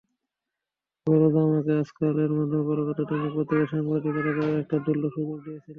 গৌরদা আমাকে আজকাল-এর মাধ্যমে কলকাতার দৈনিক পত্রিকায় সাংবাদিকতা করার একটা দুর্লভ সুযোগ দিয়েছিলেন।